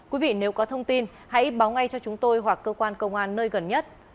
quý vị nếu có thông tin hãy báo ngay cho chúng tôi hoặc cơ quan công an nơi gần nhất